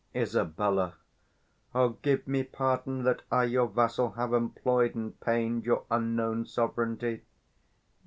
Isab. O, give me pardon, That I, your vassal, have employ'd and pain'd Your unknown sovereignty!